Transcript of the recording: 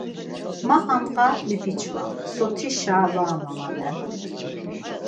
Ma handǧa bipiçvam sotişa va mamalen.